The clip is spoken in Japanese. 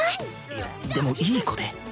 いやでもいい子で。